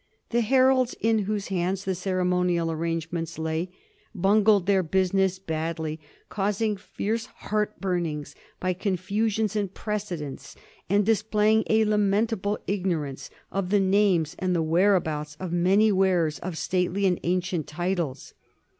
The heralds in whose hands the ceremonial arrangements lay bungled their business badly, causing fierce heartburnings by confusions in precedence, and displaying a lamentable ignorance of the names and the whereabouts of many wearers of stately and ancient titles.